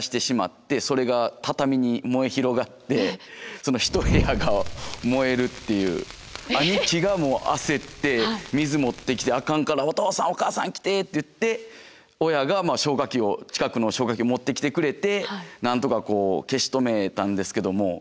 まあ僕自身が家でちょっと兄貴と兄貴がもう焦って水持ってきてあかんから「お父さんお母さん来て！」って言って親が消火器を近くの消火器を持ってきてくれてなんとか消し止めたんですけども。